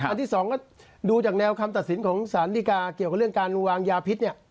อันที่๒ดูจากแนวคำตัดสินของสารธิกาเกี่ยวกับการลงวางยาพิษ